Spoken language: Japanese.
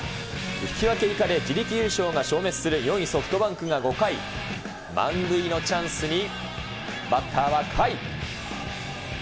引き分け以下で自力優勝が消滅する４位ソフトバンクが５回、満塁のチャンスに、バッターは甲斐。